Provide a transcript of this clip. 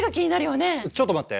ちょっと待って。